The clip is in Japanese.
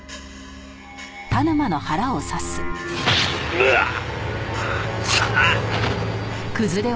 うわっ！